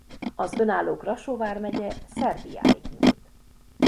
Az önálló Krassó vármegye Szerbiáig nyúlt.